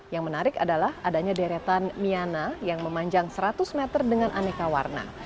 yang menarik adalah adanya deretan miana yang memanjang seratus meter dengan aneka warna